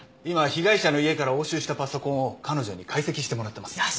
今被害者の家から押収したパソコンを彼女に解析してもらってます。